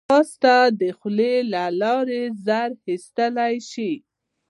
ځغاسته د خولې له لارې زهر ایستلی شي